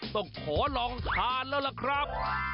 ต้องขอลองทานแล้วล่ะครับ